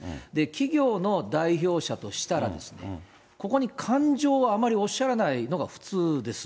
企業の代表者としたらですね、ここに感情はあまりおっしゃらないのが普通です。